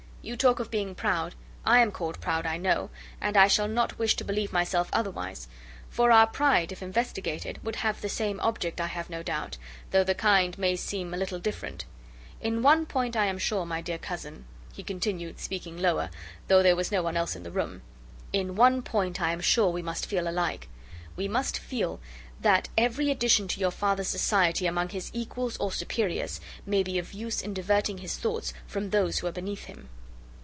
You talk of being proud; I am called proud, I know, and I shall not wish to believe myself otherwise; for our pride, if investigated, would have the same object, I have no doubt, though the kind may seem a little different. In one point, I am sure, my dear cousin," (he continued, speaking lower, though there was no one else in the room) "in one point, I am sure, we must feel alike. We must feel that every addition to your father's society, among his equals or superiors, may be of use in diverting his thoughts from those who are beneath him."